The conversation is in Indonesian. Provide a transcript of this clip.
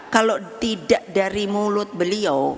kalau tidak dari mulut beliau